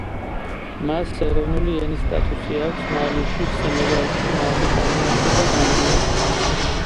მას ეროვნული ენის სტატუსი აქვს მალიში, სენეგალში, მავრიტანიაში და გამბიაში.